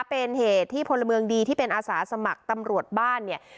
เป็นเหตุที่พลเมืองดีที่เป็นอาสาสมัครตำรวจบ้านเนี่ย